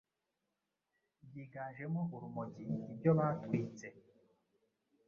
byiganjemo urumogi ibyo batwitse